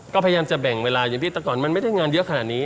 ก็พยายามจะแบ่งเวลาอย่างที่แต่ก่อนมันไม่ได้งานเยอะขนาดนี้